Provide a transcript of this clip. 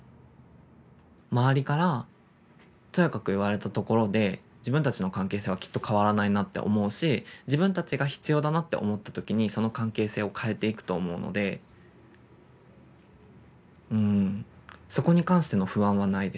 周りからとやかく言われたところで自分たちの関係性はきっと変わらないなって思うし自分たちが必要だなって思った時にその関係性を変えていくと思うのでうんそこに関しての不安はないです。